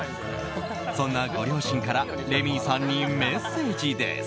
そんなご両親からレミイさんにメッセージです。